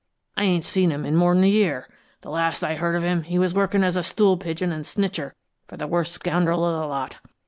I ain't seen him in more'n a year. The last I heard of him, he was workin' as a stool pigeon an' snitcher for the worst scoundrel of the lot."